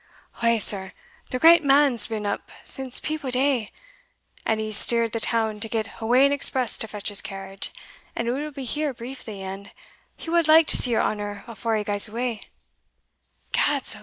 "Ou, sir, the great man's been up since peep o' day, and he's steered the town to get awa an express to fetch his carriage, and it will be here briefly, and he wad like to see your honour afore he gaes awa." "Gadso!"